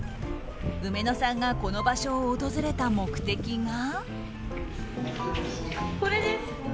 うめのさんがこの場所を訪れた目的が。